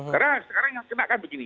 karena sekarang yang kena kan begini